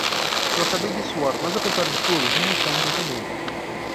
Eu acabei de suar, mas apesar de tudo, nós estamos entendendo.